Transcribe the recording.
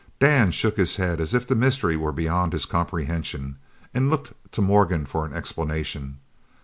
Dan shook his head as if the mystery were beyond his comprehension, and looked to Morgan for an explanation.